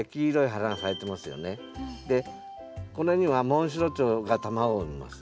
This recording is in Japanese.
でこれにはモンシロチョウが卵を産みます。